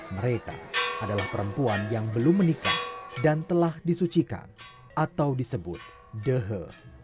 mereka adalah perempuan yang belum menikah dan telah disucikan atau disebut dehe